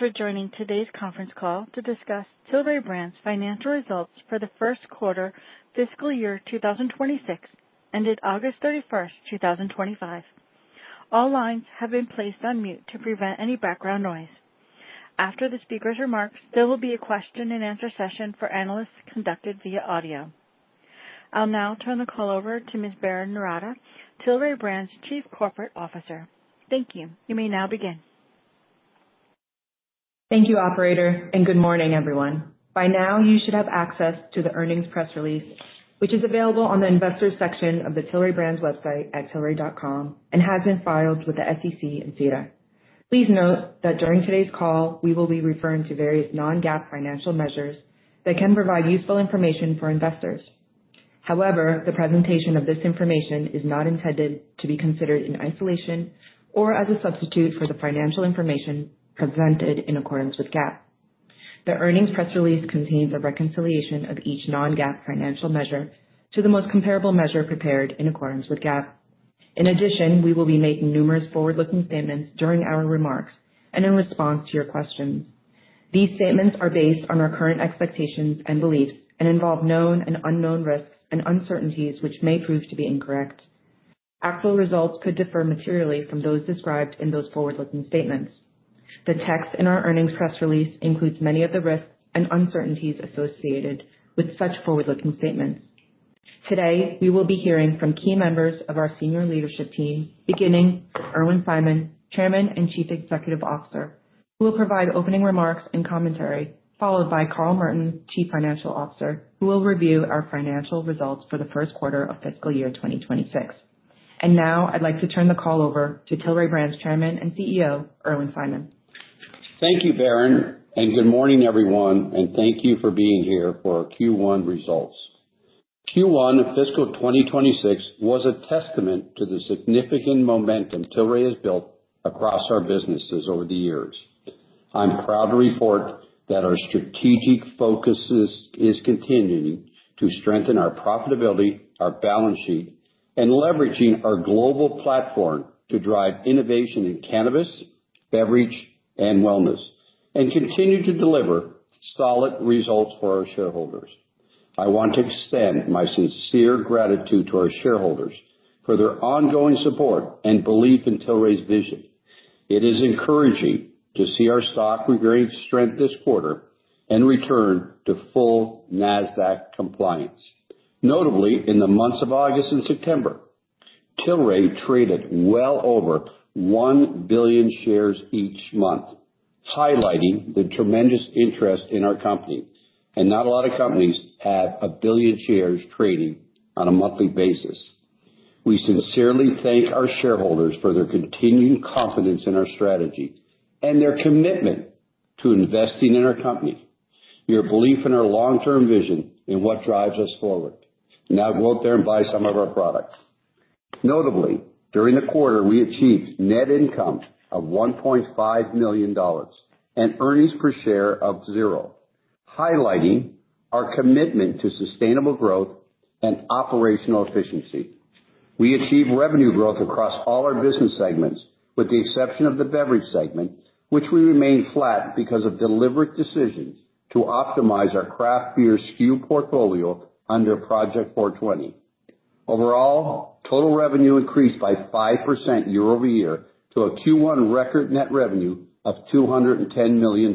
Thank you for joining today's conference call to discuss Tilray Brands' financial Results for the first quarter fiscal year 2026, ended August 31st, 2025. All lines have been placed on mute to prevent any background noise. After the speaker's remarks, there will be a question-and-answer session for analysts conducted via audio. I'll now turn the call over to Ms. Berrin Noorata, Tilray Brands' Chief Corporate Officer. Thank you. You may now begin. Thank you, Operator, and good morning, everyone. By now, you should have access to the earnings press release, which is available on the Investors' section of the Tilray Brands website at tilray.com and has been filed with the SEC and SEDAR+. Please note that during today's call, we will be referring to various non-GAAP financial measures that can provide useful information for investors. However, the presentation of this information is not intended to be considered in isolation or as a substitute for the financial information presented in accordance with GAAP. The earnings press release contains a reconciliation of each non-GAAP financial measure to the most comparable measure prepared in accordance with GAAP. In addition, we will be making numerous forward-looking statements during our remarks and in response to your questions. These statements are based on our current expectations and beliefs and involve known and unknown risks and uncertainties which may prove to be incorrect. Actual results could differ materially from those described in those forward-looking statements. The text in our earnings press release includes many of the risks and uncertainties associated with such forward-looking statements. Today, we will be hearing from key members of our senior leadership team, beginning with Irwin Simon, Chairman and Chief Executive Officer, who will provide opening remarks and commentary, followed by Carl Merton, Chief Financial Officer, who will review our financial results for the Q1 of fiscal year 2026, and now, I'd like to turn the call over to Tilray Brands' Chairman and CEO, Irwin Simon. Thank you, Berrin, and good morning, everyone, and thank you for being here for our Q1 results. Q1 of fiscal 2026 was a testament to the significant momentum Tilray has built across our businesses over the years. I'm proud to report that our strategic focus is continuing to strengthen our profitability, our balance sheet, and leveraging our global platform to drive innovation in cannabis, beverage, and wellness, and continue to deliver solid results for our shareholders. I want to extend my sincere gratitude to our shareholders for their ongoing support and belief in Tilray's vision. It is encouraging to see our stock regain strength this quarter and return to full Nasdaq compliance, notably in the months of August and September. Tilray traded well over 1 billion shares each month, highlighting the tremendous interest in our company, and not a lot of companies have a billion shares trading on a monthly basis. We sincerely thank our shareholders for their continued confidence in our strategy and their commitment to investing in our company, your belief in our long-term vision, and what drives us forward. Now, go out there and buy some of our products. Notably, during the quarter, we achieved net income of $1.5 million and earnings per share of zero, highlighting our commitment to sustainable growth and operational efficiency. We achieved revenue growth across all our business segments, with the exception of the beverage segment, which we remained flat because of deliberate decisions to optimize our craft beer SKU portfolio under Project 420. Overall, total revenue increased by 5% year-over-year to a Q1 record net revenue of $210 million,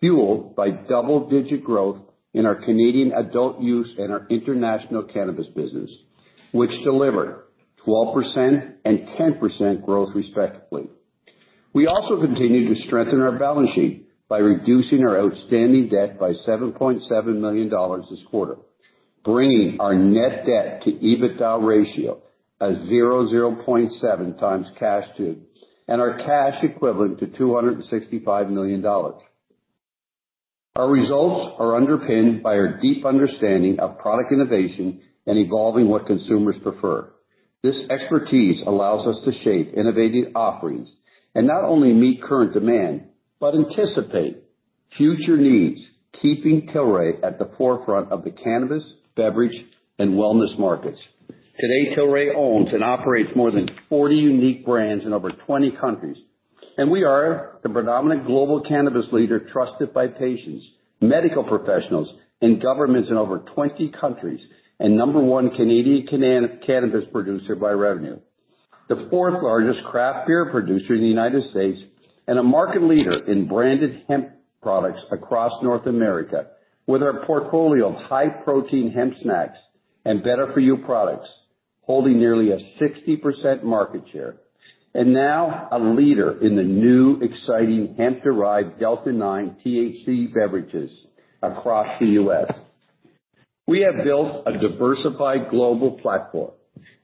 fueled by double-digit growth in our Canadian adult use and our international cannabis business, which delivered 12% and 10% growth, respectively. We also continued to strengthen our balance sheet by reducing our outstanding debt by $7.7 million this quarter, bringing our net debt-to-EBITDA ratio to 0.7x, cash and cash equivalents to $265 million. Our results are underpinned by our deep understanding of product innovation and evolving what consumers prefer. This expertise allows us to shape innovative offerings and not only meet current demand but anticipate future needs, keeping Tilray at the forefront of the cannabis, beverage, and wellness markets. Today, Tilray owns and operates more than 40 unique brands in over 20 countries, and we are the predominant global cannabis leader trusted by patients, medical professionals, and governments in over 20 countries, and number one Canadian cannabis producer by revenue. The fourth largest craft beer producer in the United States, and a market leader in branded hemp products across North America with our portfolio of high-protein hemp snacks and Better For You products, holding nearly a 60% market share, and now a leader in the new, exciting hemp-derived Delta-9 THC beverages across the U.S. We have built a diversified global platform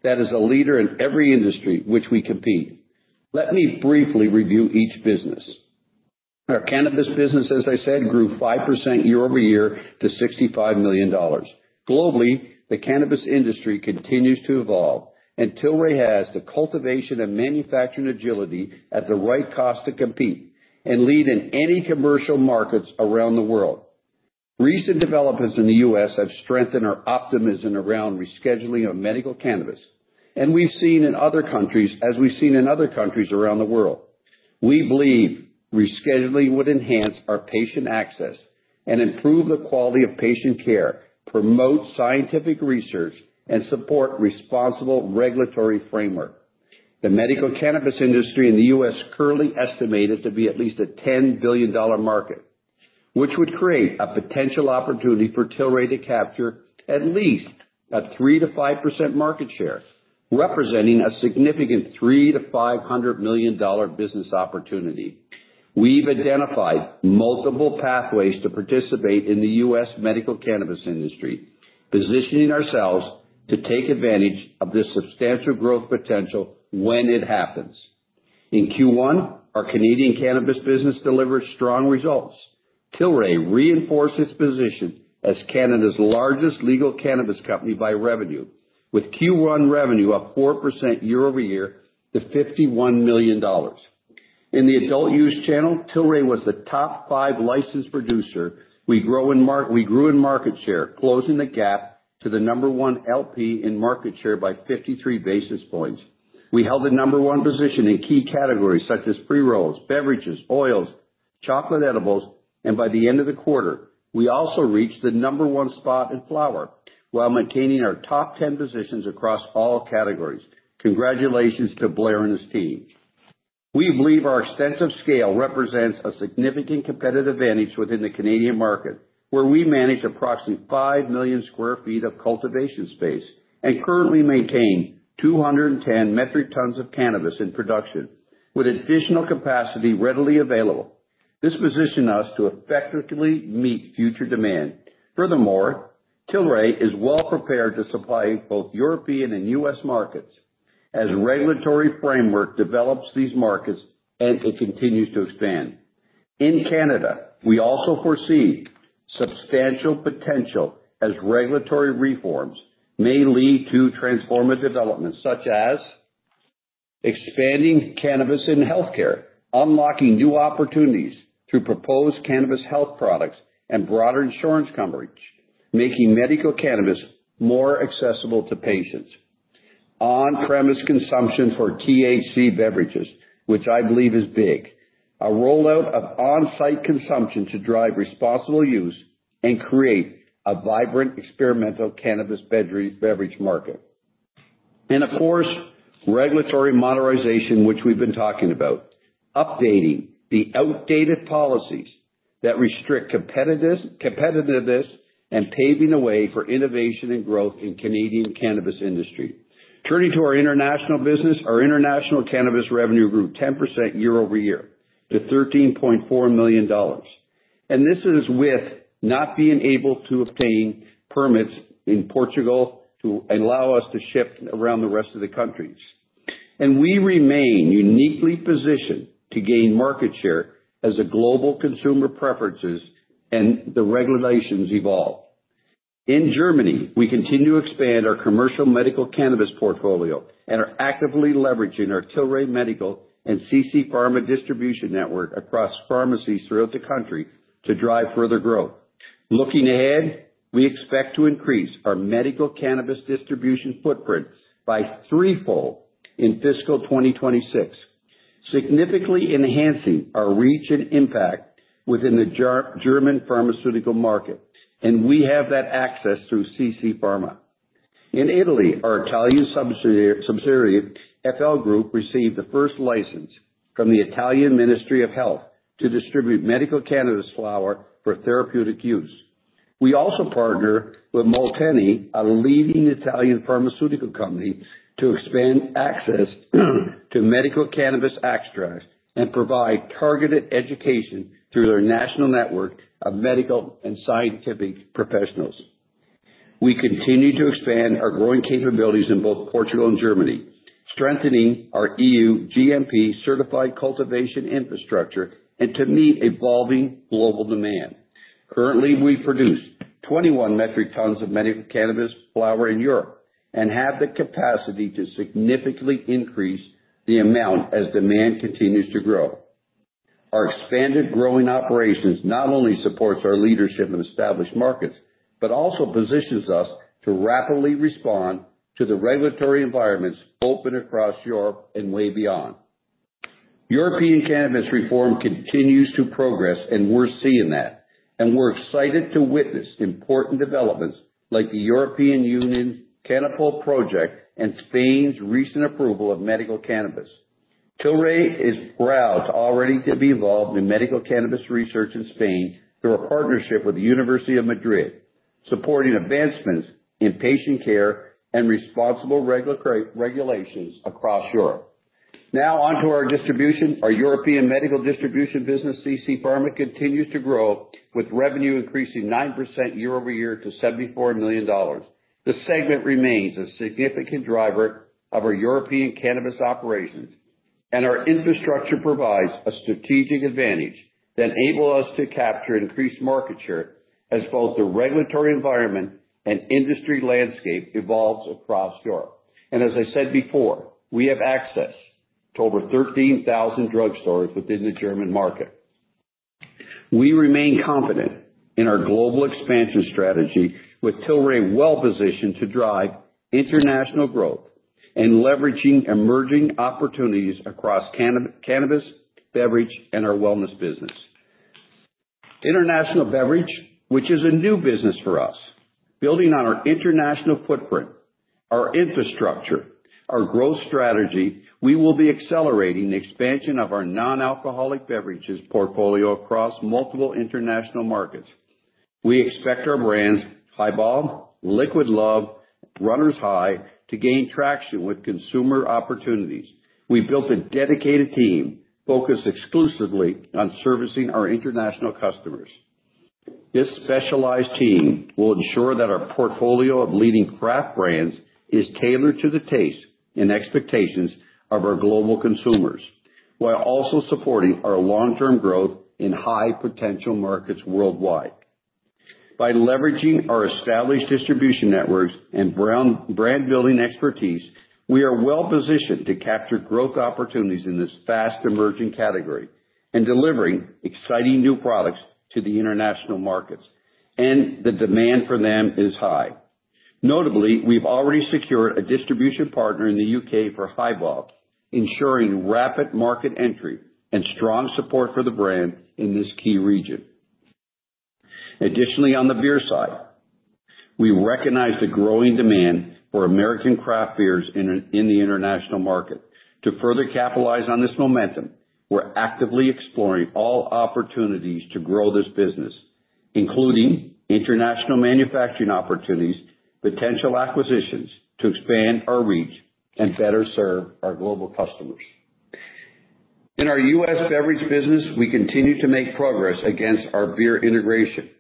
that is a leader in every industry in which we compete. Let me briefly review each business. Our cannabis business, as I said, grew 5% year-over-year to $65 million. Globally, the cannabis industry continues to evolve, and Tilray has the cultivation and manufacturing agility at the right cost to compete and lead in any commercial markets around the world. Recent developments in the U.S. have strengthened our optimism around rescheduling of medical cannabis, and we've seen in other countries around the world. We believe rescheduling would enhance our patient access and improve the quality of patient care, promote scientific research, and support a responsible regulatory framework. The medical cannabis industry in the U.S. is currently estimated to be at least a $10 billion market, which would create a potential opportunity for Tilray to capture at least a 3%-5% market share, representing a significant $300 million-$500 million business opportunity. We've identified multiple pathways to participate in the U.S. medical cannabis industry, positioning ourselves to take advantage of this substantial growth potential when it happens. In Q1, our Canadian cannabis business delivered strong results. Tilray reinforced its position as Canada's largest legal cannabis company by revenue, with Q1 revenue of 4% year-over-year to $51 million. In the adult use channel, Tilray was the top five licensed producer. We grew in market share, closing the gap to the number one LP in market share by 53 basis points. We held the number one position in key categories such as pre-rolls, beverages, oils, chocolate edibles, and by the end of the quarter, we also reached the number one spot in flower while maintaining our top 10 positions across all categories. Congratulations to Blair and his team. We believe our extensive scale represents a significant competitive advantage within the Canadian market, where we manage approximately 5 million sq ft of cultivation space and currently maintain 210 metric tons of cannabis in production, with additional capacity readily available. This positions us to effectively meet future demand. Furthermore, Tilray is well prepared to supply both European and U.S. markets as the regulatory framework develops these markets and continues to expand. In Canada, we also foresee substantial potential as regulatory reforms may lead to transformative developments such as expanding cannabis in healthcare, unlocking new opportunities through proposed cannabis health products, and broader insurance coverage, making medical cannabis more accessible to patients, on-premise consumption for THC beverages, which I believe is big, a rollout of on-site consumption to drive responsible use and create a vibrant experimental cannabis beverage market, and of course, regulatory modernization, which we've been talking about, updating the outdated policies that restrict competitiveness and paving the way for innovation and growth in the Canadian cannabis industry. Turning to our international business, our international cannabis revenue grew 10% year-over-year to $13.4 million, and this is with not being able to obtain permits in Portugal to allow us to ship around the rest of the countries. We remain uniquely positioned to gain market share as global consumer preferences and the regulations evolve. In Germany, we continue to expand our commercial medical cannabis portfolio and are actively leveraging our Tilray Medical and CC Pharma distribution network across pharmacies throughout the country to drive further growth. Looking ahead, we expect to increase our medical cannabis distribution footprint by threefold in fiscal 2026, significantly enhancing our reach and impact within the German pharmaceutical market, and we have that access through CC Pharma. In Italy, our Italian subsidiary FL Group received the first license from the Italian Ministry of Health to distribute medical cannabis flower for therapeutic use. We also partner with Molteni, a leading Italian pharmaceutical company, to expand access to medical cannabis extracts and provide targeted education through their national network of medical and scientific professionals. We continue to expand our growing capabilities in both Portugal and Germany, strengthening our EU GMP-certified cultivation infrastructure and to meet evolving global demand. Currently, we produce 21 metric tons of medical cannabis flower in Europe and have the capacity to significantly increase the amount as demand continues to grow. Our expanded growing operations not only support our leadership in established markets but also position us to rapidly respond to the regulatory environments open across Europe and way beyond. European cannabis reform continues to progress, and we're seeing that, and we're excited to witness important developments like the European Union's Cannapol Project and Spain's recent approval of medical cannabis. Tilray is proud to already be involved in medical cannabis research in Spain through a partnership with the University of Madrid, supporting advancements in patient care and responsible regulations across Europe. Now, on to our distribution. Our European medical distribution business, CC Pharma, continues to grow with revenue increasing 9% year-over-year to $74 million. The segment remains a significant driver of our European cannabis operations, and our infrastructure provides a strategic advantage that enables us to capture increased market share as both the regulatory environment and industry landscape evolves across Europe, and as I said before, we have access to over 13,000 drug stores within the German market. We remain confident in our global expansion strategy, with Tilray well positioned to drive international growth and leveraging emerging opportunities across cannabis, beverage, and our wellness business. International beverage, which is a new business for us. Building on our international footprint, our infrastructure, our growth strategy, we will be accelerating the expansion of our non-alcoholic beverages portfolio across multiple international markets. We expect our brands, Highball, Liquid Love, and Runner's High, to gain traction with consumer opportunities. We've built a dedicated team focused exclusively on servicing our international customers. This specialized team will ensure that our portfolio of leading craft brands is tailored to the tastes and expectations of our global consumers while also supporting our long-term growth in high-potential markets worldwide. By leveraging our established distribution networks and brand-building expertise, we are well positioned to capture growth opportunities in this fast-emerging category and delivering exciting new products to the international markets, and the demand for them is high. Notably, we've already secured a distribution partner in the U.K. for Highball, ensuring rapid market entry and strong support for the brand in this key region. Additionally, on the beer side, we recognize the growing demand for American craft beers in the international market. To further capitalize on this momentum, we're actively exploring all opportunities to grow this business, including international manufacturing opportunities, potential acquisitions to expand our reach and better serve our global customers. In our U.S. beverage business, we continue to make progress against our beer integration,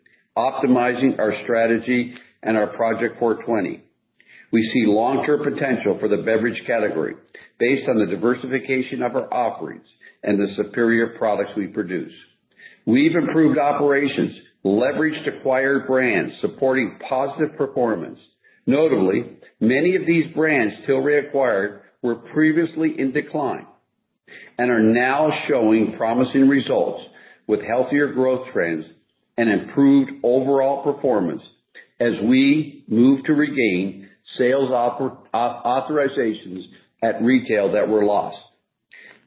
optimizing our strategy and our Project 420. We see long-term potential for the beverage category based on the diversification of our offerings and the superior products we produce. We've improved operations, leveraged acquired brands, supporting positive performance. Notably, many of these brands Tilray acquired were previously in decline and are now showing promising results with healthier growth trends and improved overall performance as we move to regain sales authorizations at retail that were lost.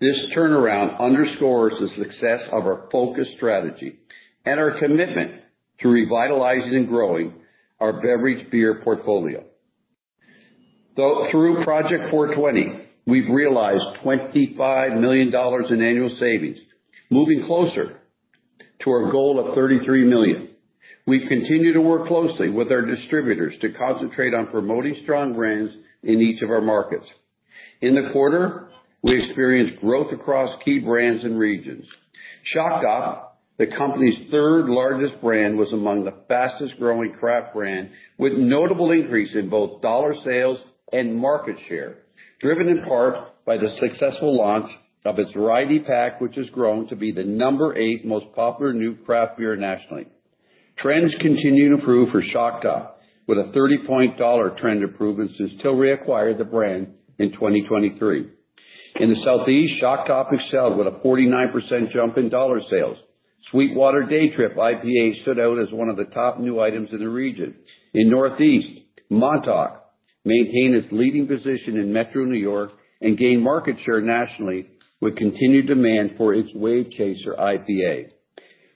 This turnaround underscores the success of our focused strategy and our commitment to revitalizing and growing our beverage beer portfolio. Through Project 420, we've realized $25 million in annual savings, moving closer to our goal of $33 million. We continue to work closely with our distributors to concentrate on promoting strong brands in each of our markets. In the quarter, we experienced growth across key brands and regions. Shock Top, the company's third largest brand was among the fastest-growing craft brands, with notable increases in both dollar sales and market share, driven in part by the successful launch of its variety pack, which has grown to be the number eight most popular new craft beer nationally. Trends continue to improve for Shock Top, with a 30-point dollar trend improvement since Tilray acquired the brand in 2023. In the Southeast, Shock Top excelled with a 49% jump in dollar sales. SweetWater Day Trip IPA stood out as one of the top new items in the region. In Northeast, Montauk maintained its leading position in Metro New York and gained market share nationally with continued demand for its Wave Chaser IPA.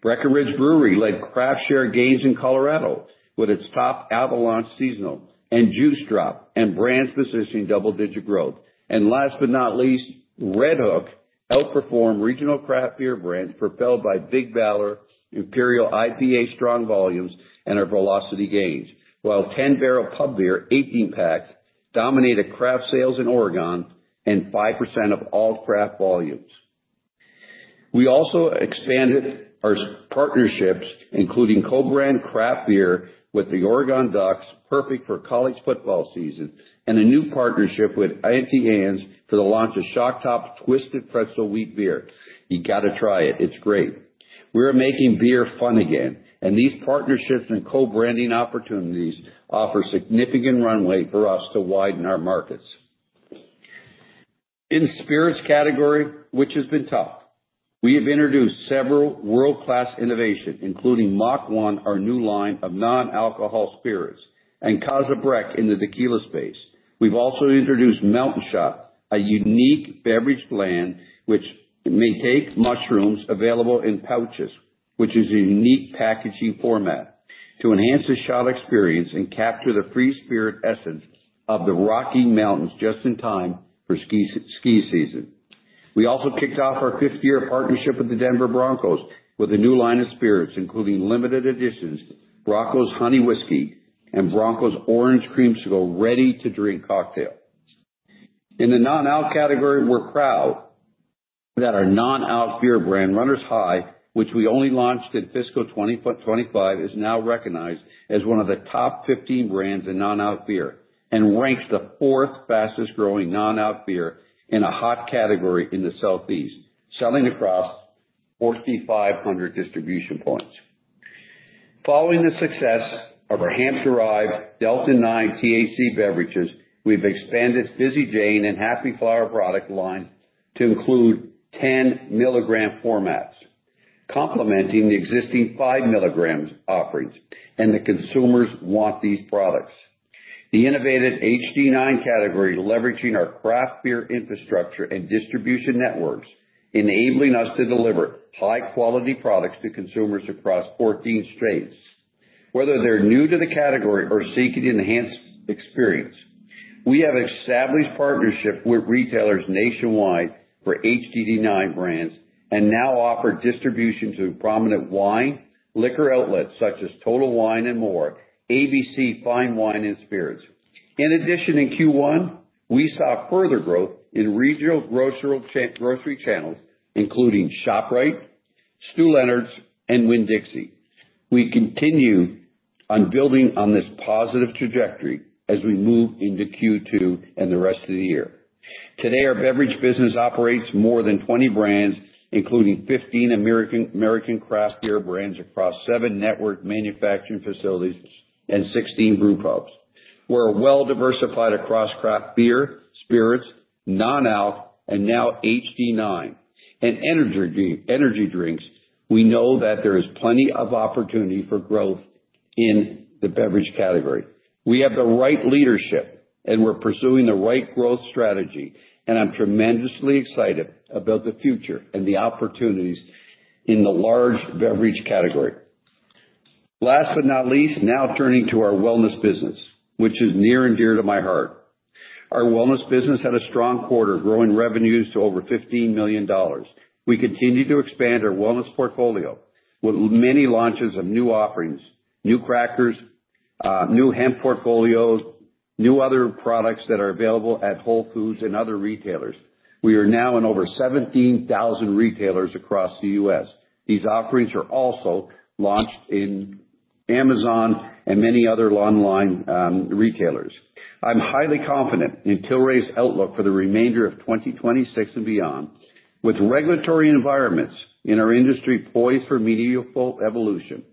Breckenridge Brewery led craft share gains in Colorado with its top Avalanche seasonal and Juice Drop, and brands positioning double-digit growth. And last but not least, Redhook outperformed regional craft beer brands propelled by Big Ballard, Imperial IPA strong volumes, and our velocity gains, while 10 Barrel Pub Beer 18-pack dominated craft sales in Oregon and 5% of all craft volumes. We also expanded our partnerships, including Cobrand Craft Beer with the Oregon Ducks, perfect for college football season, and a new partnership with Auntie Anne's for the launch of Shock Top Twisted Pretzel Wheat Beer. You got to try it. It's great. We're making beer fun again, and these partnerships and co-branding opportunities offer significant runway for us to widen our markets. In spirits category, which has been tough, we have introduced several world-class innovations, including Mock One, our new line of non-alcoholic spirits, and Casa Breck in the tequila space. We've also introduced Mountain Shot, a unique beverage blend, which Maitake mushrooms available in pouches, which is a unique packaging format, to enhance the shot experience and capture the free spirit essence of the Rocky Mountains just in time for ski season. We also kicked off our fifth-year partnership with the Denver Broncos with a new line of spirits, including limited editions Broncos Honey Whiskey and Broncos Orange Creamsicle, ready-to-drink cocktail. In the non-alc category, we're proud that our non-alc beer brand, Runner's High, which we only launched in fiscal 2025, is now recognized as one of the top 15 brands in non-alc beer and ranks the fourth fastest-growing non-alc beer in a hot category in the Southeast, selling across 4,500 distribution points. Following the success of our hemp derived Delta-9 THC beverages, we've expanded Fizzy Jane's and Happy Flower product line to include 10 mg formats, complementing the existing 5 mg offerings, and the consumers want these products. The innovative HD9 category, leveraging our craft beer infrastructure and distribution networks, enables us to deliver high-quality products to consumers across 14 states. Whether they're new to the category or seeking an enhanced experience, we have established partnerships with retailers nationwide for HDD9 brands and now offer distribution to prominent wine, liquor outlets such as Total Wine & More, ABC Fine Wine & Spirits. In addition, in Q1, we saw further growth in regional grocery channels, including ShopRite, Stew Leonard's, and Winn-Dixie. We continue on building on this positive trajectory as we move into Q2 and the rest of the year. Today, our beverage business operates more than 20 brands, including 15 American craft beer brands across seven network manufacturing facilities and 16 brewpubs. We're well-diversified across craft beer, spirits, non-alc, and now HD9 and energy drinks. We know that there is plenty of opportunity for growth in the beverage category. We have the right leadership, and we're pursuing the right growth strategy, and I'm tremendously excited about the future and the opportunities in the large beverage category. Last but not least, now turning to our wellness business, which is near and dear to my heart. Our wellness business had a strong quarter, growing revenues to over $15 million. We continue to expand our wellness portfolio with many launches of new offerings: new crackers, new hemp portfolios, new other products that are available at Whole Foods and other retailers. We are now in over 17,000 retailers across the U.S. These offerings are also launched in Amazon and many other online retailers. I'm highly confident in Tilray's outlook for the remainder of 2026 and beyond, with regulatory environments in our industry poised for meaningful evolution.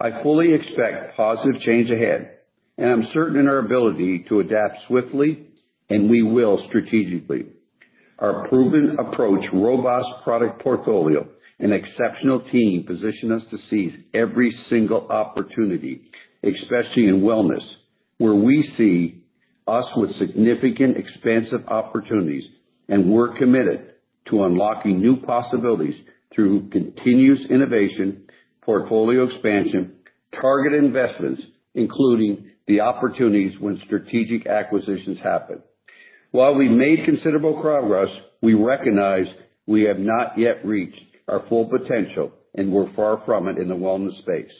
I fully expect positive change ahead, and I'm certain in our ability to adapt swiftly, and we will strategically. Our proven approach, robust product portfolio, and exceptional team position us to seize every single opportunity, especially in wellness, where we see us with significant expansive opportunities, and we're committed to unlocking new possibilities through continuous innovation, portfolio expansion, target investments, including the opportunities when strategic acquisitions happen. While we've made considerable progress, we recognize we have not yet reached our full potential, and we're far from it in the wellness space,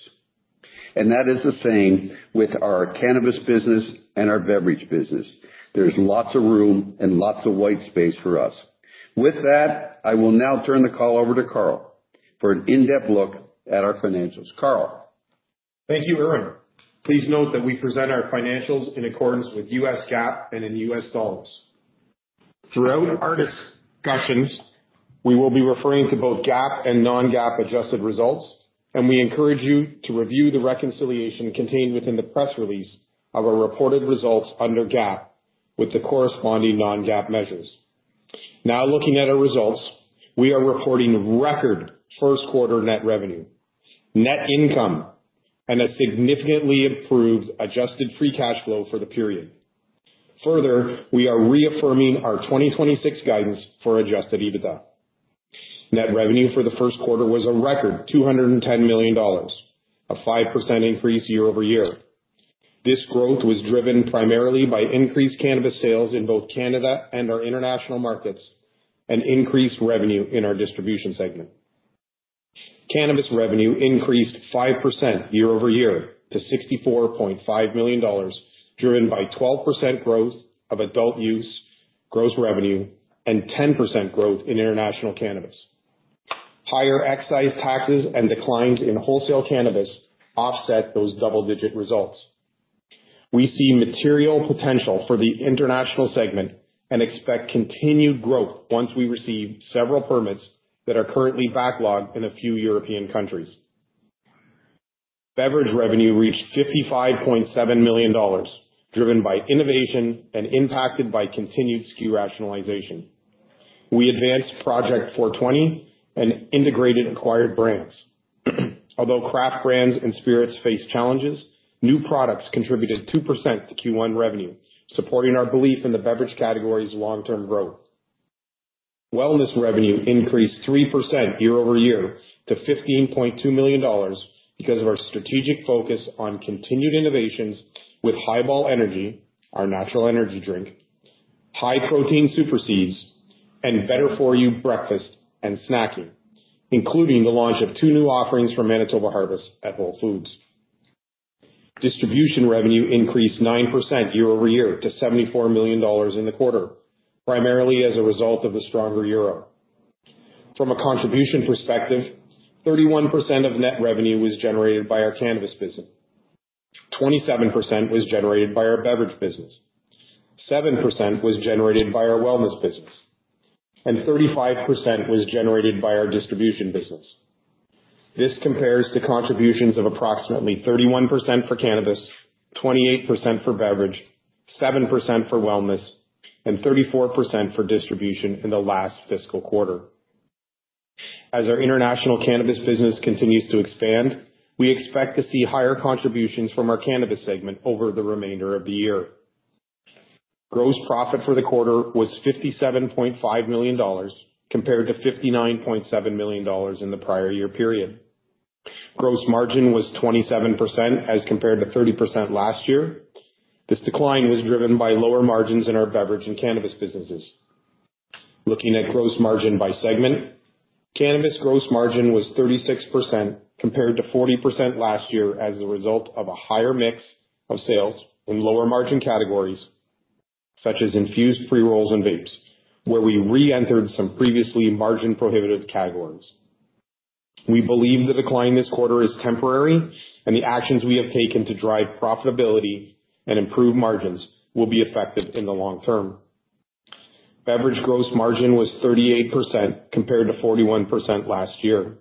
and that is the same with our cannabis business and our beverage business. There's lots of room and lots of white space for us. With that, I will now turn the call over to Carl for an in-depth look at our financials. Carl. Thank you, Irwin. Please note that we present our financials in accordance with U.S. GAAP and in U.S. dollars. Throughout our discussions, we will be referring to both GAAP and non-GAAP adjusted results, and we encourage you to review the reconciliation contained within the press release of our reported results under GAAP with the corresponding non-GAAP measures. Now, looking at our results, we are reporting record first-quarter net revenue, net income, and a significantly improved adjusted free cash flow for the period. Further, we are reaffirming our 2026 guidance for adjusted EBITDA. Net revenue for the Q1 was a record $210 million, a 5% increase year-over-year. This growth was driven primarily by increased cannabis sales in both Canada and our international markets and increased revenue in our distribution segment. Cannabis revenue increased 5% year-over-year to $64.5 million, driven by 12% growth of adult-use gross revenue and 10% growth in international cannabis. Higher excise taxes and declines in wholesale cannabis offset those double-digit results. We see material potential for the international segment and expect continued growth once we receive several permits that are currently backlogged in a few European countries. Beverage revenue reached $55.7 million, driven by innovation and impacted by continued SKU rationalization. We advanced Project 420 and integrated acquired brands. Although craft brands and spirits face challenges, new products contributed 2% to Q1 revenue, supporting our belief in the beverage category's long-term growth. Wellness revenue increased 3% year-over-year to $15.2 million because of our strategic focus on continued innovations with Highball Energy, our natural energy drink, high-protein super seeds, and Better For You breakfast and snacking, including the launch of two new offerings from Manitoba Harvest at Whole Foods. Distribution revenue increased 9% year-over-year to $74 million in the quarter, primarily as a result of the stronger euro. From a contribution perspective, 31% of net revenue was generated by our cannabis business, 27% was generated by our beverage business, 7% was generated by our wellness business, and 35% was generated by our distribution business. This compares to contributions of approximately 31% for cannabis, 27% for beverage, 7% for wellness, and 34% for distribution in the last fiscal quarter. As our international cannabis business continues to expand, we expect to see higher contributions from our cannabis segment over the remainder of the year. Gross profit for the quarter was $57.5 million compared to $59.7 million in the prior year period. Gross margin was 27% as compared to 30% last year. This decline was driven by lower margins in our beverage and cannabis businesses. Looking at gross margin by segment, cannabis gross margin was 36% compared to 40% last year as a result of a higher mix of sales in lower margin categories such as infused pre-rolls and vapes, where we re-entered some previously margin-prohibitive categories. We believe the decline this quarter is temporary, and the actions we have taken to drive profitability and improve margins will be effective in the long term. Beverage gross margin was 38% compared to 41% last year.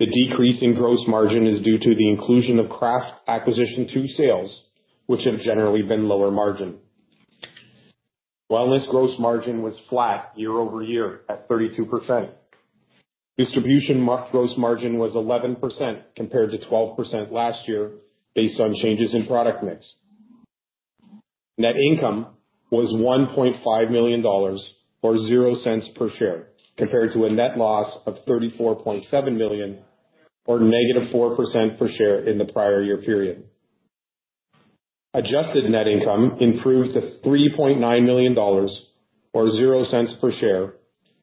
The decrease in gross margin is due to the inclusion of craft acquisition to sales, which have generally been lower margin. Wellness gross margin was flat year-over-year at 32%. Distribution gross margin was 11% compared to 12% last year based on changes in product mix. Net income was $1.5 million or zero cents per share compared to a net loss of $34.7 million or -4% per share in the prior year period. Adjusted net income improved to $3.9 million or zero cents per share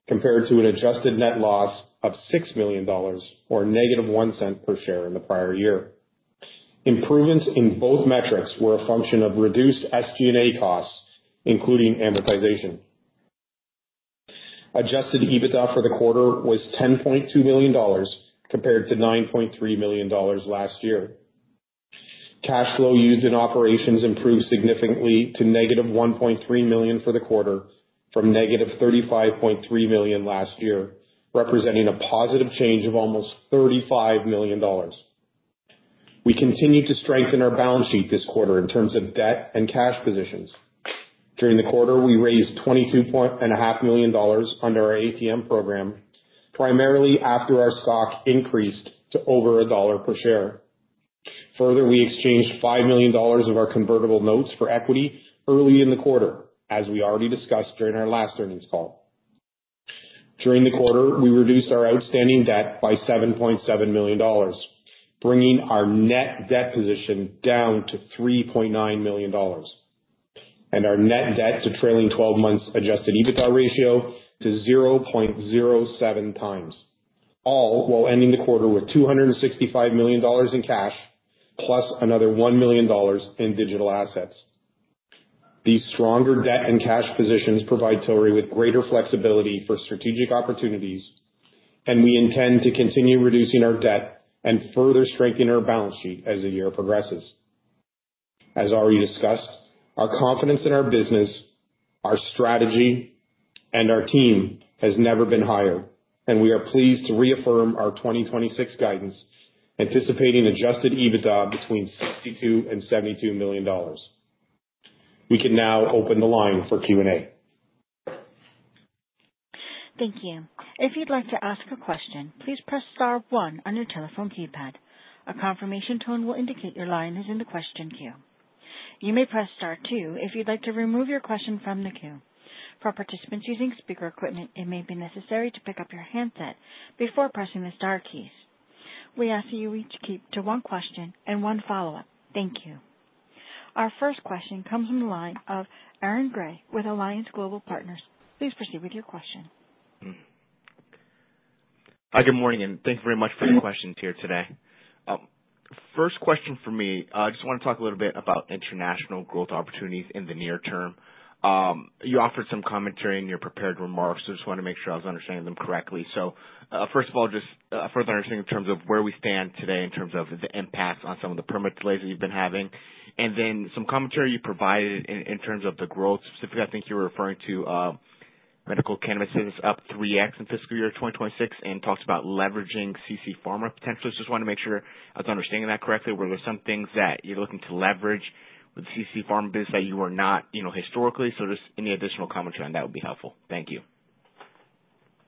compared to an adjusted net loss of $6 million or -$0.01 per share in the prior year. Improvements in both metrics were a function of reduced SG&A costs, including amortization. Adjusted EBITDA for the quarter was $10.2 million compared to $9.3 million last year. Cash flow used in operations improved significantly to -$1.3 million for the quarter from -$35.3 million last year, representing a positive change of almost $35 million. We continue to strengthen our balance sheet this quarter in terms of debt and cash positions. During the quarter, we raised $22.5 million under our ATM Program, primarily after our stock increased to over $1 per share. Further, we exchanged $5 million of our convertible notes for equity early in the quarter, as we already discussed during our last earnings call. During the quarter, we reduced our outstanding debt by $7.7 million, bringing our net debt position down to $3.9 million and our net debt to trailing 12 months Adjusted EBITDA ratio to 0.07x, all while ending the quarter with $265 million in cash plus another $1 million in digital assets. These stronger debt and cash positions provide Tilray with greater flexibility for strategic opportunities, and we intend to continue reducing our debt and further strengthen our balance sheet as the year progresses. As already discussed, our confidence in our business, our strategy, and our team has never been higher, and we are pleased to reaffirm our 2026 guidance, anticipating Adjusted EBITDA between $62 and $72 million. We can now open the line for Q&A. Thank you. If you'd like to ask a question, please press Star one on your telephone keypad. A confirmation tone will indicate your line is in the question queue. You may press Star two if you'd like to remove your question from the queue. For participants using speaker equipment, it may be necessary to pick up your handset before pressing the star keys. We ask that you each keep to one question and one follow-up. Thank you. Our first question comes from the line of Aaron Grey with Alliance Global Partners. Please proceed with your question. Hi. Good morning, and thank you very much for your questions here today. First question for me, I just want to talk a little bit about international growth opportunities in the near term. You offered some commentary in your prepared remarks, so I just wanted to make sure I was understanding them correctly. So first of all, just a further understanding in terms of where we stand today in terms of the impact on some of the permit delays that you've been having, and then some commentary you provided in terms of the growth. Specifically, I think you were referring to medical cannabis business up 3x in fiscal year 2026 and talked about leveraging CC Pharma potentially. Just wanted to make sure I was understanding that correctly. Were there some things that you're looking to leverage with the CC Pharma business that you were not historically? So just any additional commentary on that would be helpful. Thank you.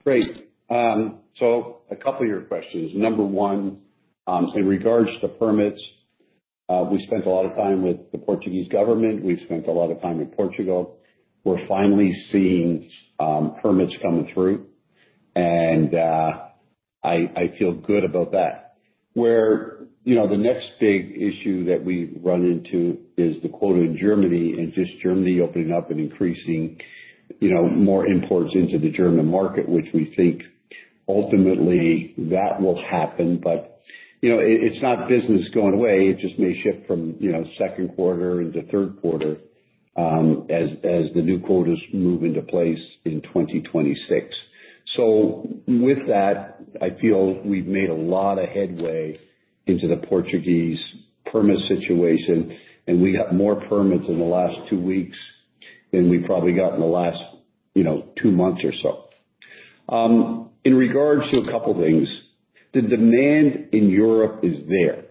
Great. So a couple of your questions. Number one, in regards to permits, we spent a lot of time with the Portuguese government. We've spent a lot of time in Portugal. We're finally seeing permits coming through, and I feel good about that. Where the next big issue that we run into is the quota in Germany and just Germany opening up and increasing more imports into the German market, which we think ultimately that will happen. But it's not business going away. It just may shift from second quarter into third quarter as the new quotas move into place in 2026. So with that, I feel we've made a lot of headway into the Portuguese permit situation, and we got more permits in the last two weeks than we probably got in the last two months or so. In regards to a couple of things, the demand in Europe is there.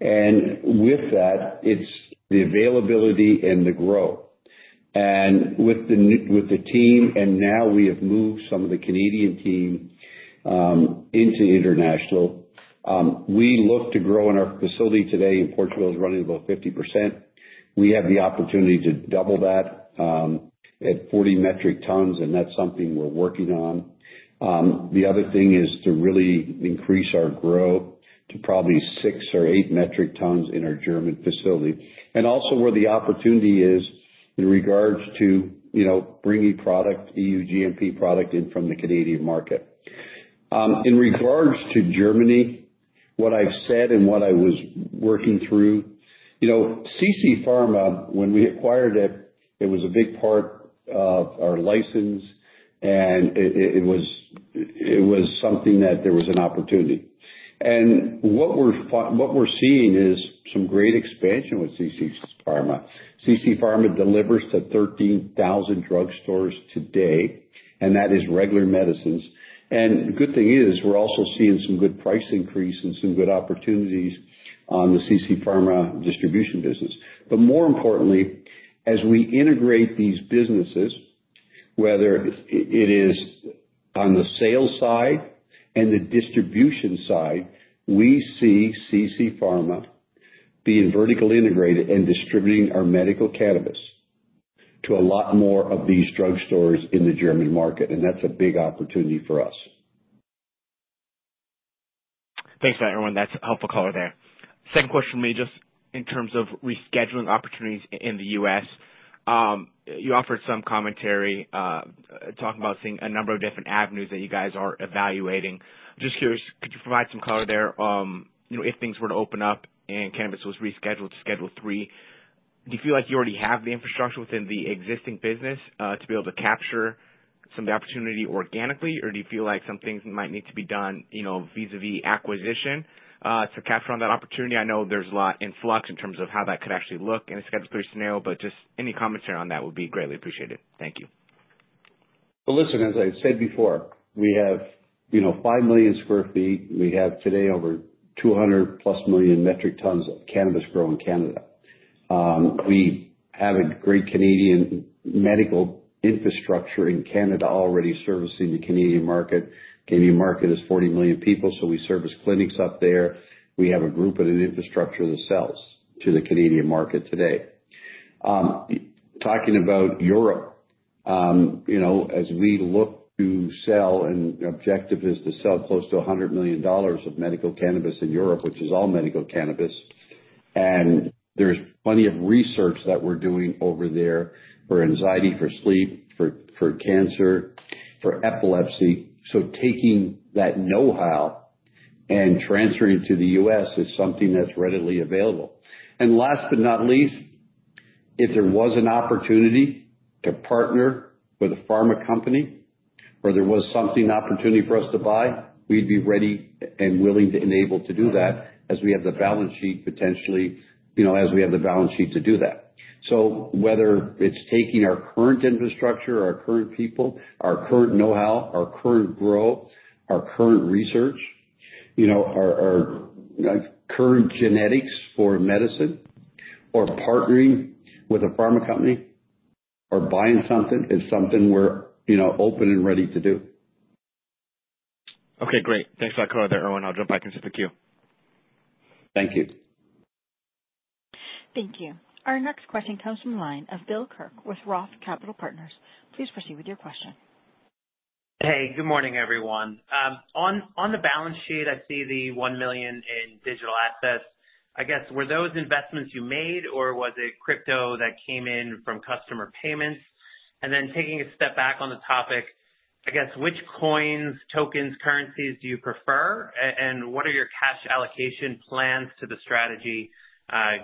And with that, it's the availability and the growth. And with the team, and now we have moved some of the Canadian team into international, we look to grow in our facility today in Portugal is running about 50%. We have the opportunity to double that at 40 metric tons, and that's something we're working on. The other thing is to really increase our growth to probably 6 metric tons or 8 metric tons in our German facility. And also where the opportunity is in regards to bringing product, EU GMP product in from the Canadian market. In regards to Germany, what I've said and what I was working through, CC Pharma, when we acquired it, it was a big part of our license, and it was something that there was an opportunity, and what we're seeing is some great expansion with CC Pharma. CC Pharma delivers to 13,000 drug stores today, and that is regular medicines, and the good thing is we're also seeing some good price increase and some good opportunities on the CC Pharma distribution business, but more importantly, as we integrate these businesses, whether it is on the sales side and the distribution side, we see CC Pharma being vertically integrated and distributing our medical cannabis to a lot more of these drug stores in the German market, and that's a big opportunity for us. Thanks for that, Irwin. That's a helpful color there. Second question for me, just in terms of rescheduling opportunities in the U.S. You offered some commentary talking about seeing a number of different avenues that you guys are evaluating. Just curious, could you provide some color there if things were to open up and cannabis was rescheduled to Schedule III? Do you feel like you already have the infrastructure within the existing business to be able to capture some of the opportunity organically, or do you feel like some things might need to be done vis-à-vis acquisition to capture on that opportunity? I know there's a lot in flux in terms of how that could actually look in a Schedule III scenario, but just any commentary on that would be greatly appreciated. Thank you. Well, listen, as I said before, we have 5 million sq ft. We have today over 200+ million metric tons of cannabis grown in Canada. We have a great Canadian medical infrastructure in Canada already servicing the Canadian market. Canadian market is 40 million people, so we service clinics up there. We have a group and an infrastructure that sells to the Canadian market today. Talking about Europe, as we look to sell, and the objective is to sell close to $100 million of medical cannabis in Europe, which is all medical cannabis, and there's plenty of research that we're doing over there for anxiety, for sleep, for cancer, for epilepsy, so taking that know-how and transferring to the U.S. is something that's readily available. And last but not least, if there was an opportunity to partner with a pharma company or there was some opportunity for us to buy, we'd be ready and willing to enable to do that as we have the balance sheet potentially as we have the balance sheet to do that. So whether it's taking our current infrastructure, our current people, our current know-how, our current growth, our current research, our current genetics for medicine, or partnering with a pharma company or buying something, it's something we're open and ready to do. Okay. Great. Thanks for that color there, Irwin. I'll jump back into the queue. Thank you. Thank you. Our next question comes from the line of Bill Kirk with Roth Capital Partners. Please proceed with your question. Hey. Good morning, everyone. On the balance sheet, I see the $1 million in digital assets. I guess were those investments you made, or was it crypto that came in from customer payments? And then taking a step back on the topic, I guess which coins, tokens, currencies do you prefer, and what are your cash allocation plans to the strategy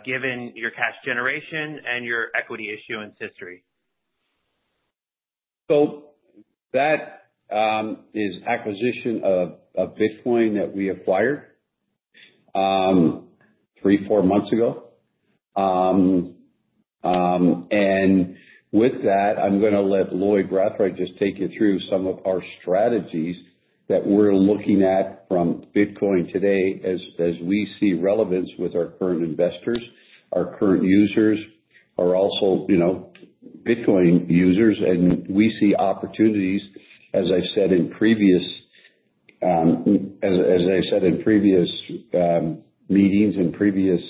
given your cash generation and your equity issuance history? So that is acquisition of Bitcoin that we acquired three, four months ago. And with that, I'm going to let Lloyd Brathwaite just take you through some of our strategies that we're looking at from Bitcoin today as we see relevance with our current investors. Our current users are also Bitcoin users, and we see opportunities, as I said in previous meetings, in previous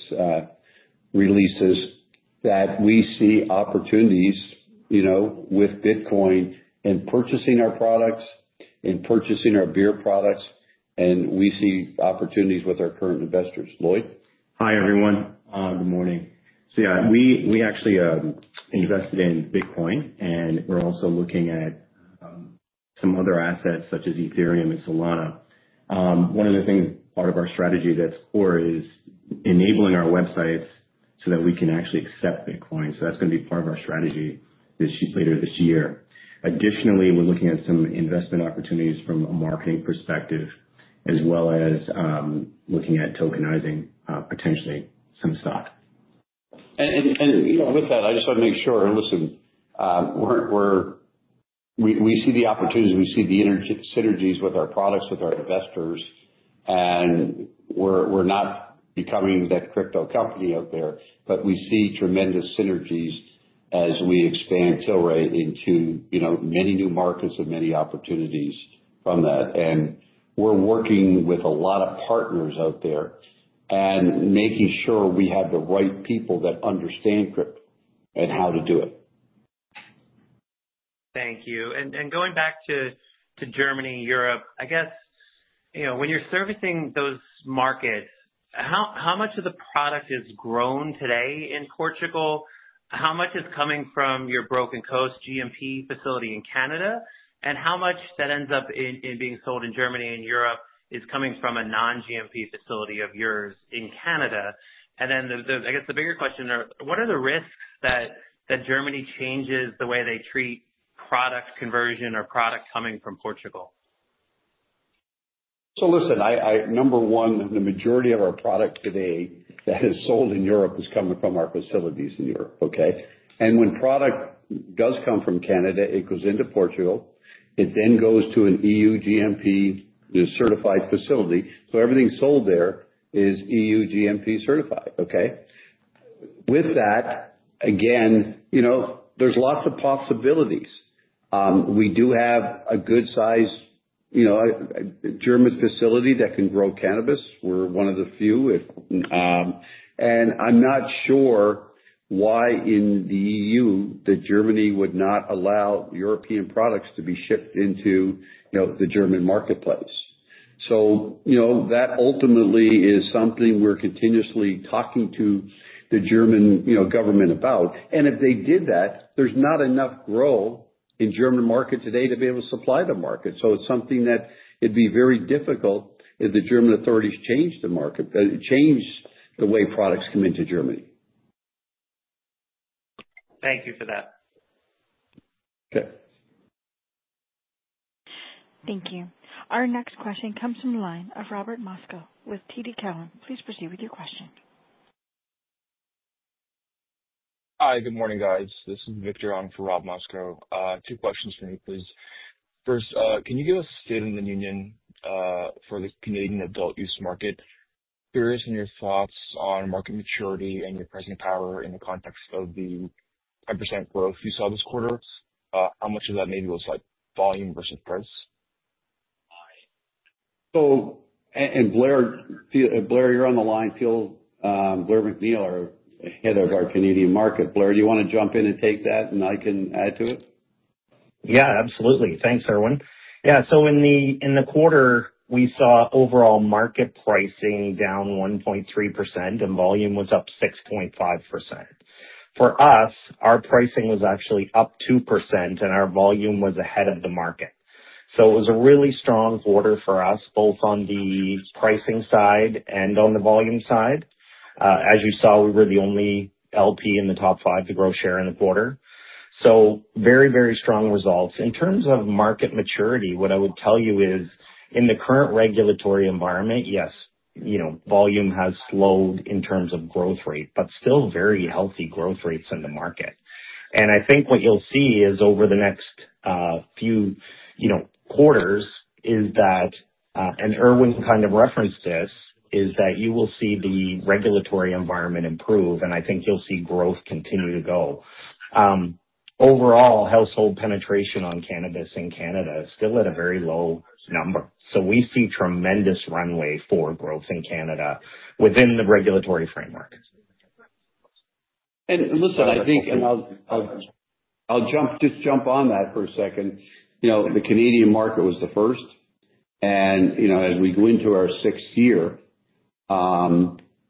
releases, that we see opportunities with Bitcoin in purchasing our products, in purchasing our beer products, and we see opportunities with our current investors. Lloyd? Hi, everyone. Good morning. So yeah, we actually invested in Bitcoin, and we're also looking at some other assets such as Ethereum and Solana. One of the things, part of our strategy that's core is enabling our websites so that we can actually accept Bitcoin. So that's going to be part of our strategy later this year. Additionally, we're looking at some investment opportunities from a marketing perspective as well as looking at tokenizing potentially some stock. And with that, I just want to make sure. Listen, we see the opportunities. We see the synergies with our products, with our investors, and we're not becoming that crypto company out there, but we see tremendous synergies as we expand Tilray into many new markets and many opportunities from that. And we're working with a lot of partners out there and making sure we have the right people that understand crypto and how to do it. Thank you. And going back to Germany, Europe, I guess, when you're servicing those markets, how much of the product is grown today in Portugal? How much is coming from your Broken Coast GMP facility in Canada, and how much that ends up in being sold in Germany and Europe is coming from a non-GMP facility of yours in Canada? And then I guess the bigger question there, what are the risks that Germany changes the way they treat product conversion or product coming from Portugal? So listen, number one, the majority of our product today that is sold in Europe is coming from our facilities in Europe, okay? And when product does come from Canada, it goes into Portugal. It then goes to an EU GMP certified facility. So everything sold there is EU GMP certified, okay? With that, again, there's lots of possibilities. We do have a good-sized German facility that can grow cannabis. We're one of the few. And I'm not sure why in the EU that Germany would not allow European products to be shipped into the German marketplace. So that ultimately is something we're continuously talking to the German government about. And if they did that, there's not enough growth in the German market today to be able to supply the market. So it's something that it'd be very difficult if the German authorities changed the market, changed the way products come into Germany. Thank you for that. Thank you. Our next question comes from the line of Robert Moskow with TD Cowen. Please proceed with your question. Hi. Good morning, guys. This is Victor on for Rob Moskow. Two questions for me, please. First, can you give us a state of the union for the Canadian adult-use market? Curous in your thoughts on market maturity and your pricing power in the context of the 10% growth you saw this quarter. How much of that maybe was volume versus price? And Blair, if Blair you're on the line, Blair MacNeil, our head of our Canadian market, Blair, do you want to jump in and take that, and I can add to it? Yeah, absolutely. Thanks, Irwin. Yeah. So in the quarter, we saw overall market pricing down 1.3%, and volume was up 6.5%. For us, our pricing was actually up 2%, and our volume was ahead of the market. So it was a really strong quarter for us, both on the pricing side and on the volume side. As you saw, we were the only LP in the top five, the gross share in the quarter, so very, very strong results. In terms of market maturity, what I would tell you is in the current regulatory environment, yes, volume has slowed in terms of growth rate, but still very healthy growth rates in the market, and I think what you'll see is over the next few quarters is that, and Irwin kind of referenced this, is that you will see the regulatory environment improve, and I think you'll see growth continue to go. Overall, household penetration on cannabis in Canada is still at a very low number, so we see tremendous runway for growth in Canada witin the regulatory framework. And listen, I think, and I'll just jump on that for a second. The Canadian market was the first. As we go into our sixth year,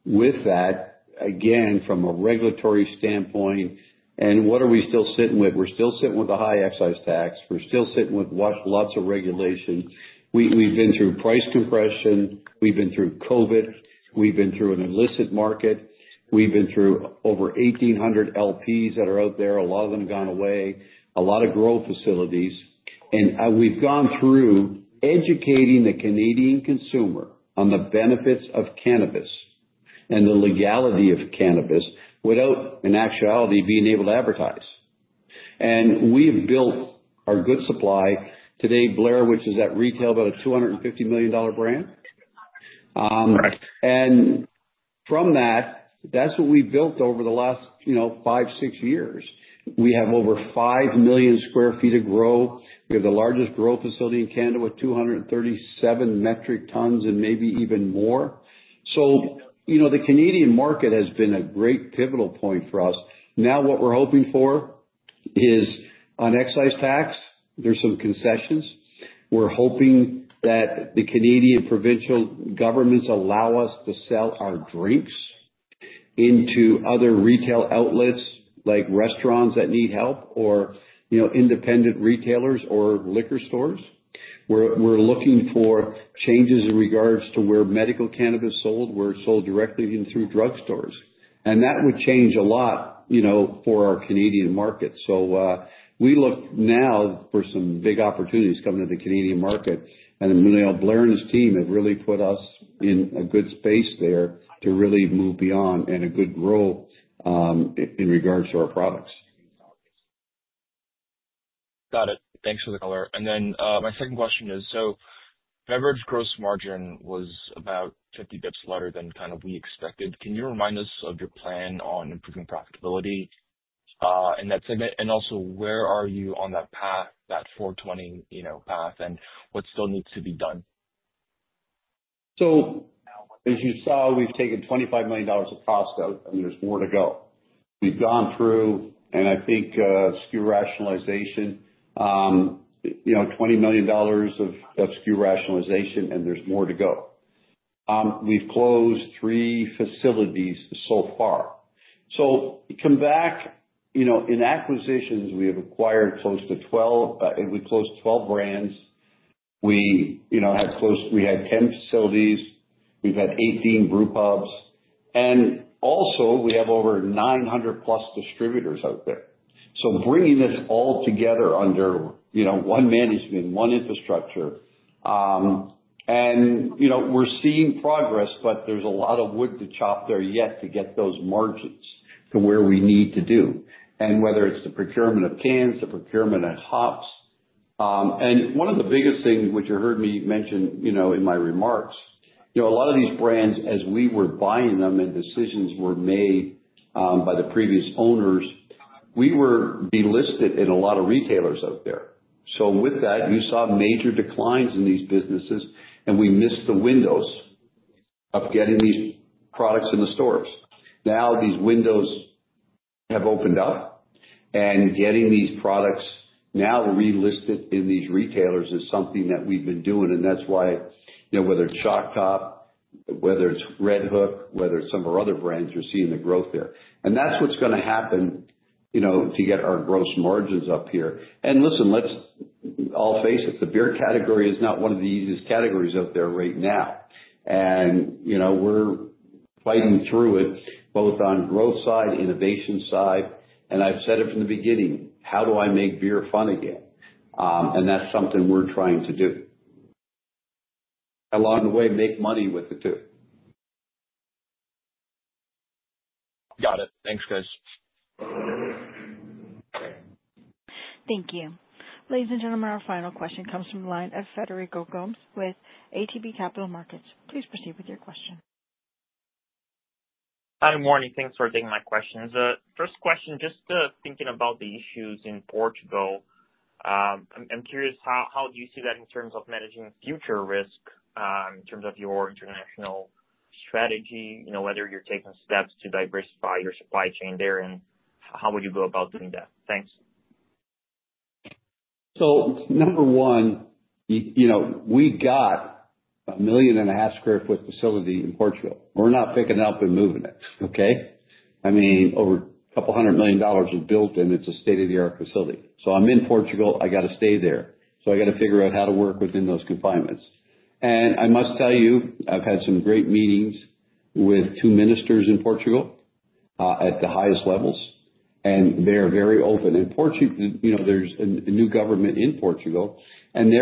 with that, again, from a regulatory standpoint, what are we still sitting with? We're still sitting with a high excise tax. We're still sitting with lots of regulation. We've been through price compression. We've been through COVID. We've been through an illicit market. We've been through over 1,800 LPs that are out there. A lot of them gone away. A lot of growth facilities. We've gone through educating the Canadian consumer on the benefits of cannabis and the legality of cannabis without, in actuality, being able to advertise. We have built our Good Supply today, Blair, which is that retail about a $250 million brand. From that, that's what we built over the last five, six years. We have over 5 million sq ft of growth. We have the largest growth facility in Canada with 237 metric tons and maybe even more. So the Canadian market has been a great pivotal point for us. Now what we're hoping for is on excise tax. There's some concessions. We're hoping that the Canadian provincial governments allow us to sell our drinks into other retail outlets like restaurants that need help or independent retailers or liquor stores. We're looking for changes in regards to where medical cannabis sold. We're sold directly through drug stores. And that would change a lot for our Canadian market. So we look now for some big opportunities coming to the Canadian market. And Blair and his team have really put us in a good space there to really move beyond and a good growth in regards to our products. Got it. Thanks for the color. And then my second question is, so beverage gross margin was about 50 bps lighter than kind of we expected. Can you remind us of your plan on improving profitability in that segment? And also, where are you on that path, that 420 path, and what still needs to be done? So as you saw, we've taken $25 million of cost out, and there's more to go. We've gone through, and I think SKU rationalization, $20 million of SKU rationalization, and there's more to go. We've closed three facilities so far. So come back, in acquisitions, we have acquired close to 12. We closed 12 brands. We had 10 facilities. We've had 18 brewpubs. And also, we have over 900+ distributors out there. So bringing this all together under one management, one infrastructure. And we're seeing progress, but there's a lot of wood to chop there yet to get those margins to where we need to do. And whether it's the procurement of cans, the procurement of hops. And one of the biggest things, which you heard me mention in my remarks, a lot of these brands, as we were buying them and decisions were made by the previous owners, we were delisted in a lot of retailers out there. So with that, you saw major declines in these businesses, and we missed the windows of getting these products in the stores. Now these windows have opened up, and getting these products now relisted in these retailers is something that we've been doing. And that's why whether it's Shock Top, whether it's Redhook, whether it's some of our other brands, you're seeing the growth there. And that's what's going to happen to get our gross margins up here. And listen, I'll face it, the beer category is not one of the easiest categories out there right now. And we're fighting through it both on growth side, innovation side. And I've said it from the beginning, how do I make beer fun again? And that's something we're trying to do. Along the way, make money with the two. Got it. Thanks, guys. Thank you. Ladies and gentlemen, our final question comes from the line of Federico Gomes with ATB Capital Markets. Please proceed with your question. Hi, morning. Thanks for taking my questions. First question, just thinking about the issues in Portugal, I'm curious how do you see that in terms of managing future risk in terms of your international strategy, whether you're taking steps to diversify your supply chain there, and how would you go about doing that? Thanks. So number one, we got a 1.5 million sq ft facility in Portugal. We're not picking it up and moving it, okay? I mean, over $200 million was built in. It's a state of the art facility. So I'm in Portugal. I got to stay there. So I got to figure out how to work within those confinements. And I must tell you, I've had some great meetings with two ministers in Portugal at the highest levels, and they're very open. And there's a new government in Portugal, and they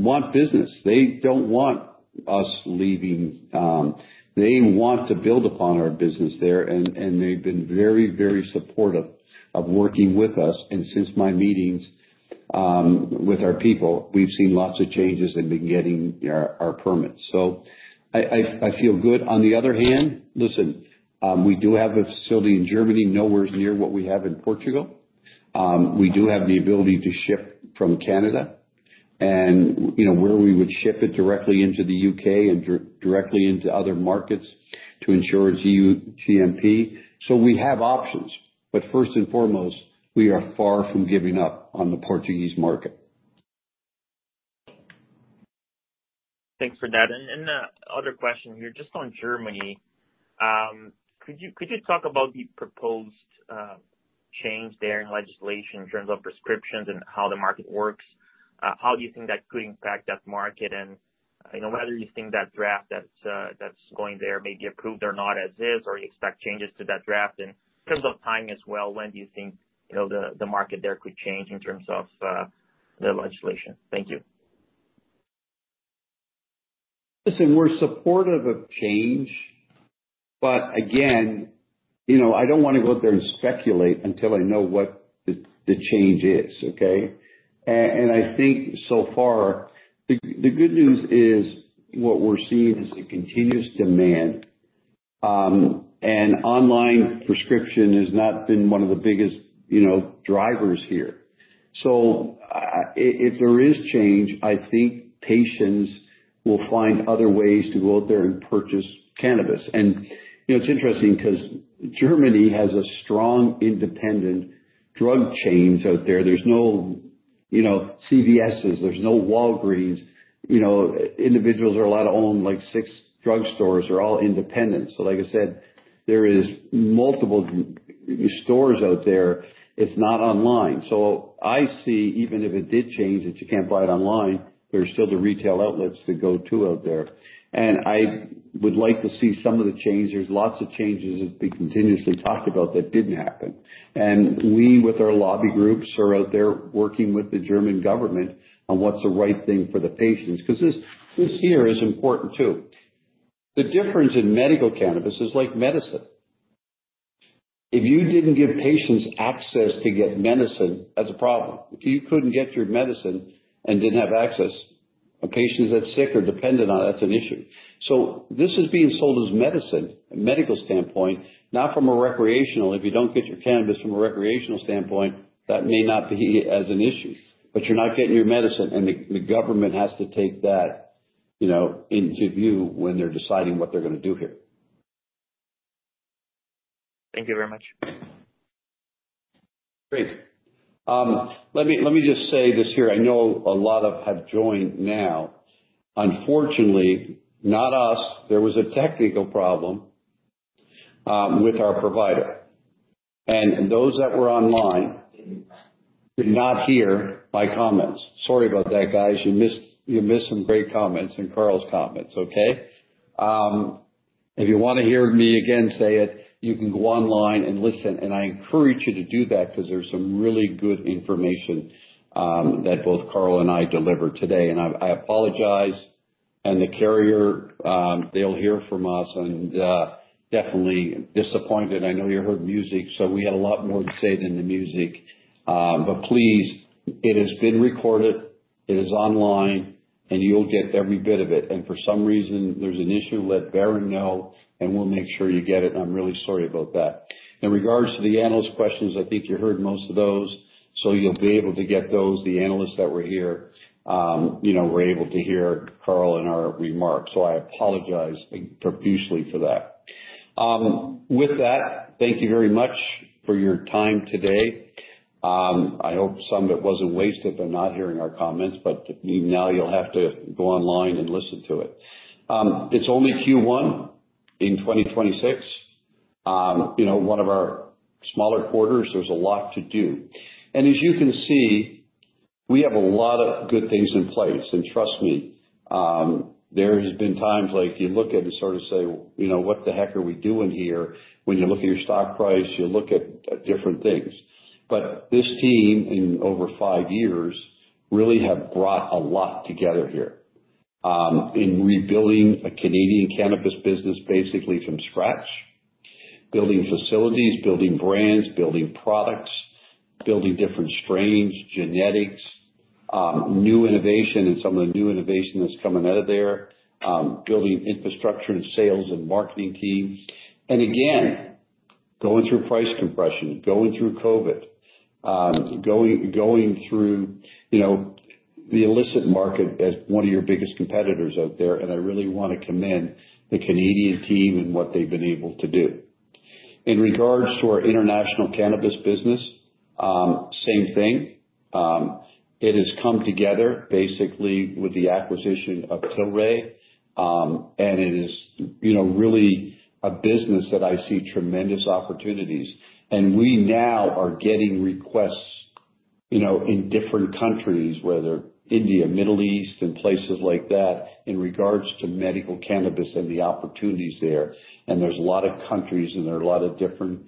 want business. They don't want us leaving. They want to build upon our business there, and they've been very, very supportive of working with us. And since my meetings with our people, we've seen lots of changes in getting our permits. So I feel good. On the other hand, listen, we do have a facility in Germany, nowhere near what we have in Portugal. We do have the ability to ship from Canada and where we would ship it directly into the U.K. and directly into other markets to ensure it's EU GMP. So we have options. But first and foremost, we are far from giving up on the Portuguese market. Thanks for that. And other question here, just on Germany, could you talk about the proposed change there in legislation in terms of prescriptions and how the market works? How do you think that could impact that market? And whether you think that draft that's going there may be approved or not as is, or you expect changes to that draft? And in terms of time as well, when do you think the market there could change in terms of the legislation? Thank you. Listen, we're supportive of change. But again, I don't want to go out there and speculate until I know what the change is, okay? And I think so far, the good news is what we're seeing is a continuous demand. And online prescription has not been one of the biggest drivers here. So if there is change, I think patients will find other ways to go out there and purchase cannabis. And it's interesting because Germany has a strong independent drug chain out there. There's no CVSs. There's no Walgreens. Individuals are allowed to own like six drug stores. They're all independent. So like I said, there are multiple stores out there. It's not online. So I see even if it did change that you can't buy it online, there's still the retail outlets to go to out there. And I would like to see some of the change. There's lots of changes that we continuously talked about that didn't happen. And we, with our lobby groups, are out there working with the German government on what's the right thing for the patients. Because this here is important too. The difference in medical cannabis is like medicine. If you didn't give patients access to get medicine, that's a problem. If you couldn't get your medicine and didn't have access, patients that are sick or dependent on it, that's an issue. So this is being sold as medicine from a medical standpoint, not from a recreational. If you don't get your cannabis from a recreational standpoint, that may not be as an issue. But you're not getting your medicine, and the government has to take that into view when they're deciding what they're going to do here. Thank you very much. Great. Let me just say this here. I know a lot of have joined now. Unfortunately, not us. There was a technical problem with our provider, and those that were online did not hear my comments. Sorry about that, guys. You missed some great comments in Carl's comments, okay? If you want to hear me again say it, you can go online and listen, and I encourage you to do that because there's some really good information that both Carl and I delivered today, and I apologize, and the carrier, they'll hear from us and definitely disappointed. I know you heard music, so we had a lot more to say than the music. But please, it has been recorded. It is online, and you'll get every bit of it. And for some reason, there's an issue. Let Blair know, and we'll make sure you get it. And I'm really sorry about that. In regards to the analyst questions, I think you heard most of those. So you'll be able to get those. The analysts that were here were able to hear Carl and our remarks. So I apologize profusely for that. With that, thank you very much for your time today. I hope some of it wasn't wasted by not hearing our comments, but now you'll have to go online and listen to it. It's only Q1 in 2026. One of our smaller quarters. There's a lot to do. And as you can see, we have a lot of good things in place. And trust me, there have been times like you look at and sort of say, "What the heck are we doing here?" When you look at your stock price, you look at different things. But this team in over five years really has brought a lot together here in rebuilding a Canadian cannabis business basically from scratch, building facilities, building brands, building products, building different strains, genetics, new innovation, and some of the new innovation that's coming out of there, building infrastructure and sales and marketing teams. And again, going through price compression, going through COVID, going through the illicit market as one of your biggest competitors out there. And I really want to commend the Canadian team and what they've been able to do. In regards to our international cannabis business, same thing. It has come together basically with the acquisition of Tilray, and it is really a business that I see tremendous opportunities, and we now are getting requests in different countries, whether India, Middle East, and places like that, in regards to medical cannabis and the opportunities there, and there's a lot of countries, and there are a lot of different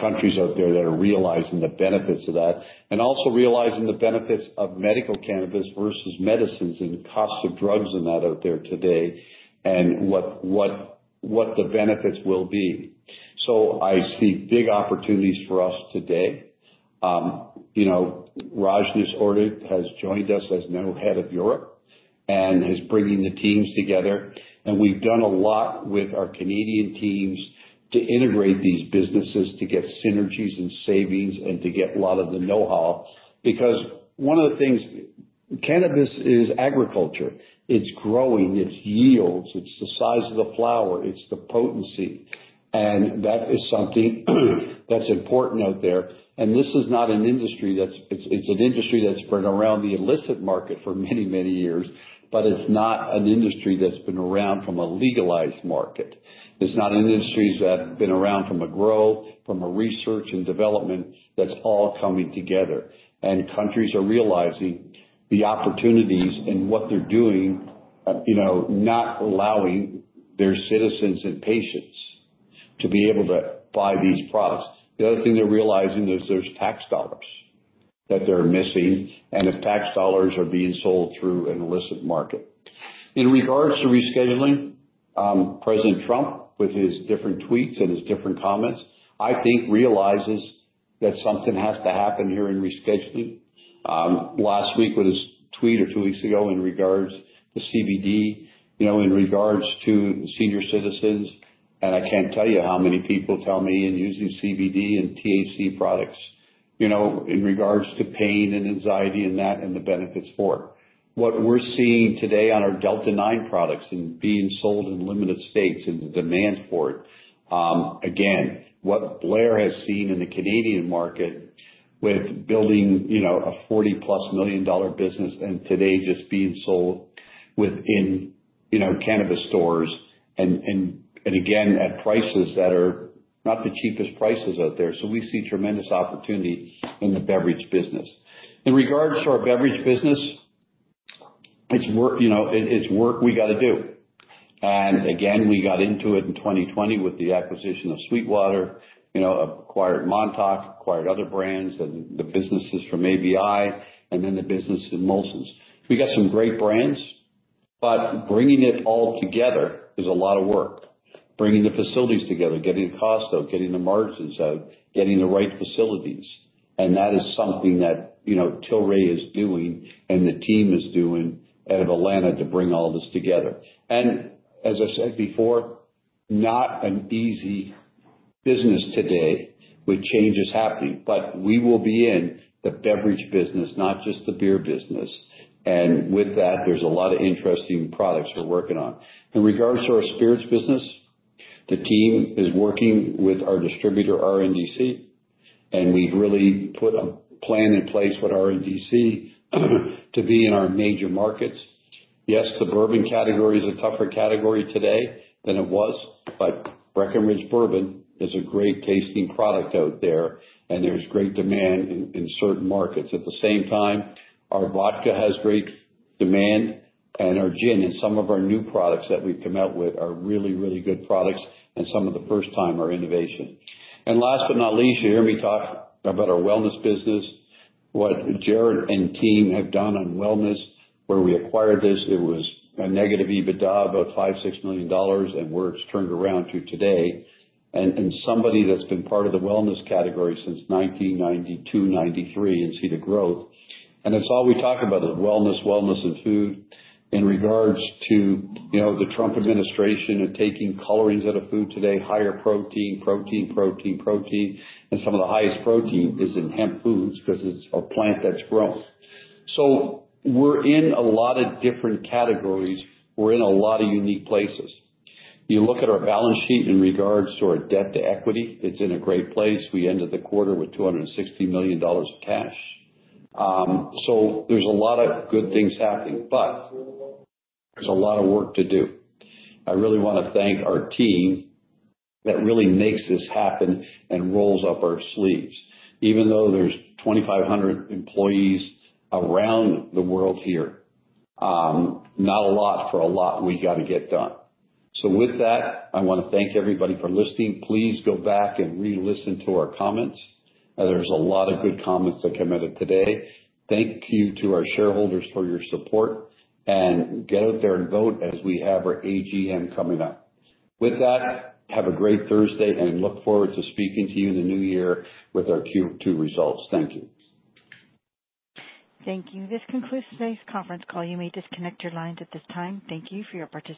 countries out there that are realizing the benefits of that, and also realizing the benefits of medical cannabis versus medicines and costs of drugs and that out there today and what the benefits will be, so I see big opportunities for us today. Rajnish Ohri has joined us as now head of Europe and is bringing the teams together, and we've done a lot with our Canadian teams to integrate these businesses to get synergies and savings and to get a lot of the know-how. Because one of the things cannabis is agriculture. It's growing. It's yields. It's the size of the flower. It's the potency. And that is something that's important out there. And this is not an industry that's. It's an industry that's been around the illicit market for many, many years, but it's not an industry that's been around from a legalized market. It's not an industry that's been around from a growth, from a research and development that's all coming together. And countries are realizing the opportunities and what they're doing, not allowing their citizens and patients to be able to buy these products. The other thing they're realizing is there's tax dollars that they're missing, and the tax dollars are being sold through an illicit market. In regards to rescheduling, President Trump, with his different tweets and his different comments, I think realizes that something has to happen here in rescheduling. Last week was a tweet or two weeks ago in regards to CBD, in regards to senior citizens. And I can't tell you how many people tell me and use the CBD and THC products in regards to pain and anxiety and that and the benefits for it. What we're seeing today on our Delta-9 products and being sold in limited states and the demand for it, again, what Blair has seen in the Canadian market with building a $40+ million business and today just being sold within cannabis stores and again at prices that are not the cheapest prices out there. So we see tremendous opportunity in the beverage business. In regards to our beverage business, it's work we got to do. And again, we got into it in 2020 with the acquisition of SweetWater, acquired Montauk, acquired other brands, and the businesses from ABI, and then the business in Molson. We got some great brands, but bringing it all together is a lot of work. Bringing the facilities together, getting the cost out, getting the margins out, getting the right facilities. And that is something that Tilray is doing and the team is doing out of Atlanta to bring all this together. And as I said before, not an easy business today with changes happening, but we will be in the beverage business, not just the beer business. And with that, there's a lot of interesting products we're working on. In regards to our spirits business, the team is working with our distributor, RNDC, and we've really put a plan in place with RNDC to be in our major markets. Yes, the bourbon category is a tougher category today than it was, but Breckenridge Bourbon is a great tasting product out there, and there's great demand in certain markets. At the same time, our vodka has great demand, and our gin and some of our new products that we've come out with are really, really good products, and some of the first-timer innovation, and last but not least, you hear me talk about our wellness business, what Jared and team have done on wellness, where we acquired this, it was a negative EBITDA of about $5-$6 million, and we're turned around to today, and somebody that's been part of the wellness category since 1992, 1993, and see the growth, and that's all we talk about is wellness, wellness, and food. In regards to the Trump administration and taking colorings out of food today, higher protein, protein, protein, and some of the highest protein is in hemp foods because it's a plant that's grown. So we're in a lot of different categories. We're in a lot of unique places. You look at our balance sheet in regards to our debt to equity, it's in a great place. We ended the quarter with $260 million of cash. So there's a lot of good things happening, but there's a lot of work to do. I really want to thank our team that really makes this happen and rolls up our sleeves. Even though there's 2,500 employees around the world here, not a lot for a lot we got to get done. So with that, I want to thank everybody for listening. Please go back and re-listen to our comments. There's a lot of good comments that came out of today. Thank you to our shareholders for your support, and get out there and vote as we have our AGM coming up. With that, have a great Thursday, and look forward to speaking to you in the new year with our Q2 results. Thank you. Thank you. This concludes today's conference call. You may disconnect your lines at this time. Thank you for your participation.